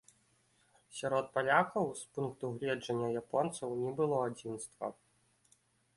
Сярод палякаў, з пункту гледжання японцаў, не было адзінства.